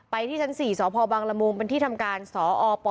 ที่ชั้น๔สพบังละมุงเป็นที่ทำการสอป